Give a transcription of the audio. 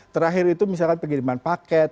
terakhir itu misalkan pengiriman paket